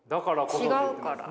違うから？